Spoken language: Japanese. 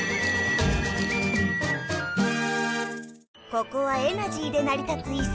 ここはエナジーでなり立ついせかい。